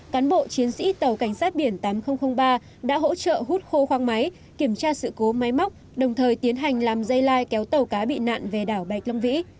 cán bộ chiến sĩ tàu cảnh sát biển tám nghìn ba đã hỗ trợ hút khô khoang máy kiểm tra sự cố máy móc đồng thời tiến hành làm dây lai kéo tàu cá bị nạn về đảo bạch long vĩ